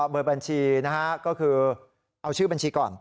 เบอร์บัญชีนะฮะก็คือเอาชื่อบัญชีก่อน